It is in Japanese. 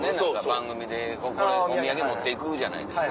番組でお土産持っていくじゃないですか。